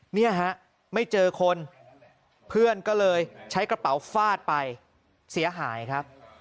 เนี่ยฮะไม่เจอคนเพื่อนก็เลยใช้กระเป๋าฟาดไปเสียหายครับ